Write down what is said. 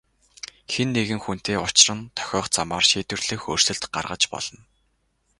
Хэн нэгэн хүнтэй учран тохиох замаар шийдвэрлэх өөрчлөлт гаргаж болно.